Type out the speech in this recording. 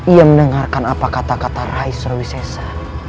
ia mendengarkan apa kata kata rais rawisesa